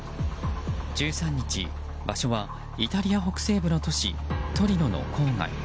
１３日、場所はイタリア北西部の都市トリノの郊外。